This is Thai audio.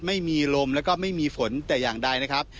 ไม่มีลมแล้วก็ไม่มีฝนแต่อย่างใดนะครับ